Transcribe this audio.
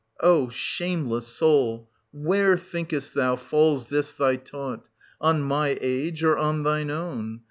O shameless soul, where, thinkest thou, falls this thy taunt, — on my age, or on thine own